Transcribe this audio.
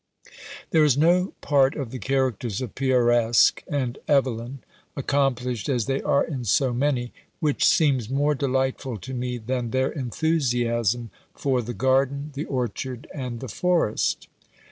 There is no part of the characters of PEIRESC and EVELYN, accomplished as they are in so many, which seems more delightful to me, than their enthusiasm for the garden, the orchard, and the forest.